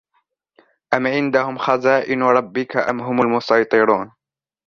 أَمْ عِنْدَهُمْ خَزَائِنُ رَبِّكَ أَمْ هُمُ الْمُصَيْطِرُونَ